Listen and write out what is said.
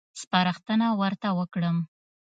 سپارښتنه ورته وکړم.